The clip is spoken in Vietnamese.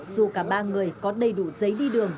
dù cả ba người có đầy đủ giấy đi đường